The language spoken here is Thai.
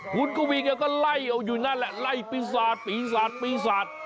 คุณกวีแกก็ไล่เอาอยู่นั่นแหละไล่ปีศาจปีศาจปีศาจ